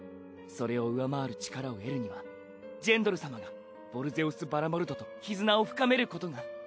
それを上回る力を得るにはジェンドル様がヴォルゼオス・バラモルドと絆を深めることが。